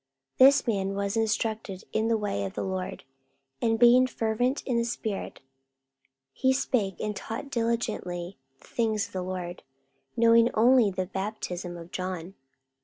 44:018:025 This man was instructed in the way of the Lord; and being fervent in the spirit, he spake and taught diligently the things of the Lord, knowing only the baptism of John.